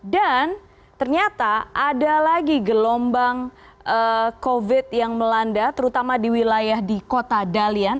dan ternyata ada lagi gelombang covid yang melanda terutama di wilayah di kota dalian